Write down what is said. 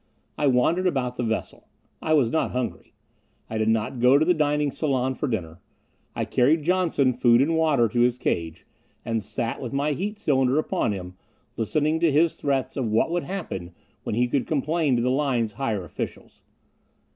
I wandered about the vessel. I was not hungry. I did not go to the dining salon for dinner. I carried Johnson food and water to his cage; and sat, with my heat cylinder upon him, listening to his threats of what would happen when he could complain to the Line's higher officials.